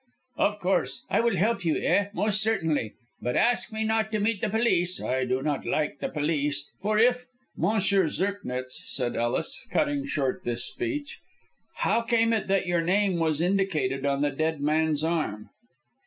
"Of course. I will help you; eh, most certainly. But ask me not to meet the police. I do not like the police. For if " "Monsieur Zirknitz," said Ellis, cutting short this speech, "how came it that your name was indicated on the dead man's arm?"